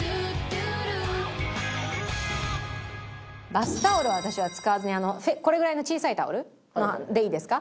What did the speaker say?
バスタオルを私は使わずにこれぐらいの小さいタオルでいいですか？